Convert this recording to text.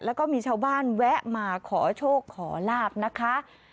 แล้วก็มีชาวบ้านแวะมาขอโชคขอลาบนะคะ